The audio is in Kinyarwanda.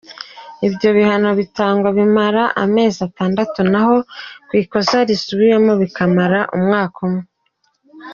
Ibyo bihano bitangwa, bimara amezi atandatu naho ku ikosa risubiwemo bikamara umwaka umwe.